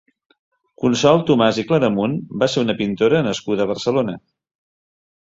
Consol Tomas i Claramunt va ser una pintora nascuda a Barcelona.